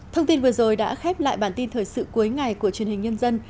thông tin vừa rồi đã khép lại bản tin thời sự cuối ngày của truyền hình nhân dân